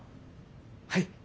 はい。